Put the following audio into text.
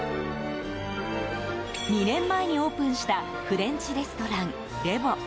２年前にオープンしたフレンチレストラン、レヴォ。